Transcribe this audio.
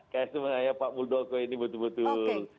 saya menurut saya pak muldoko ini betul betul